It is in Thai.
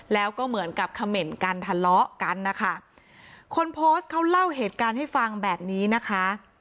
แล้วก็เหมือนกับเขม่นกันทะเลาะกันนะคะคนโพสต์เขาเล่าเหตุการณ์ให้ฟังแบบนี้นะคะ